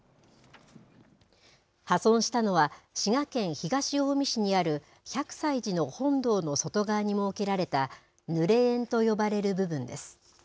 破損したのは、滋賀県東近江市にある百済寺の本堂の外側に設けられた、ぬれ縁と呼ばれる部分です。